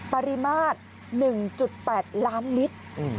ปริมาตร๑๘ล้านลิตร